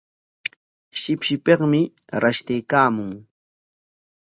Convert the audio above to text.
Shipshipikmi rashtaykaamun.